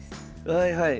はいはい。